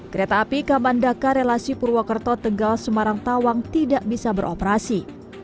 kereta api kamandaka relasi purwokerto tegal semarang tawang tidak bisa beroperasi